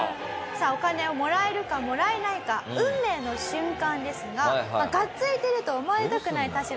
さあお金をもらえるかもらえないか運命の瞬間ですががっついてると思われたくないタシロさんはですね